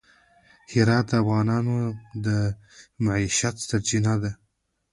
هرات د افغانانو د معیشت سرچینه ده.